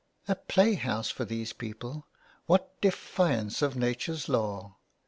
A play house for these people! What defiance of nature's law !